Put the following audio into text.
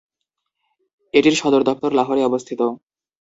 এটির সদর দফতর লাহোরে অবস্থিত।